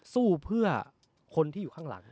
สู้เพื่อคนที่อยู่ข้างหลัง